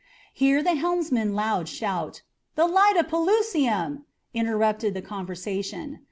Here the helmsman's loud shout, "The light of Pelusium!" interrupted the conversation.